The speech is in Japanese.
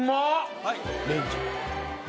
レンジ。